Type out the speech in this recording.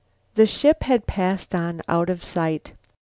The ship had passed on out of sight.